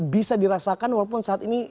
bisa dirasakan walaupun saat ini